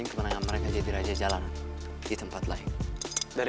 udah gak ada cara lainnya lagi